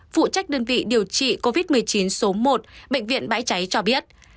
phụ trách đơn vị điều trị covid một mươi chín số một bệnh viện bãi cháy cho biết